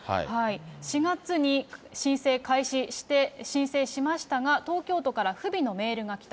４月に申請開始して、申請しましたが、東京都から不備のメールが来た。